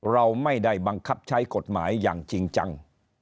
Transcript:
เราไม่ได้บังคับใช้กฎหมายอย่างจริงจัง